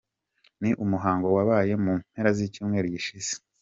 Ni umuhango wabaye mu mpera z'icyumweru gishize.